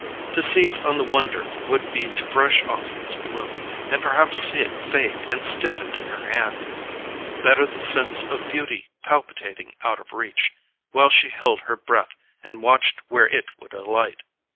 To seize on the wonder would be to brush off its bloom, and perhaps see it fade and stiffen in her hand: better the sense of beauty palpitating out of reach, while she held her breath and watched where it would alight.